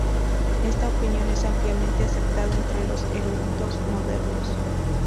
Esta opinión es ampliamente aceptada entre los eruditos modernos.